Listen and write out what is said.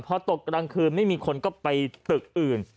พอตกกลางคืนไม่มีคนก็ไปตึกอื่น